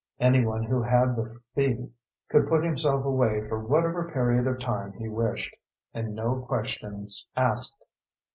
Anyone who had the fee could put himself away for whatever period of time he wished, and no questions asked.